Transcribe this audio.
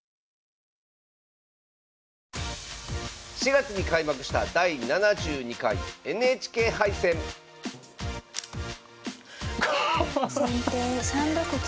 ４月に開幕した第７２回ＮＨＫ杯戦先手３六金打。